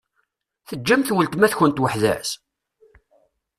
Teǧǧamt weltma-tkent weḥd-s?